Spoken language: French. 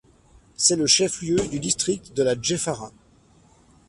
C'est le chef-lieu du district de la Djeffara.